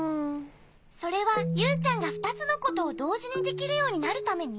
それはユウちゃんがふたつのことをどうじにできるようになるために？